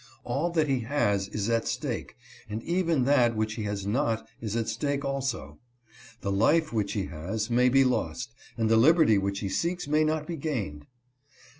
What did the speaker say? All that he has is at stake, and even that which he has not is at stake also. The life which he has may be lost and the liberty which he seeks may not be gained.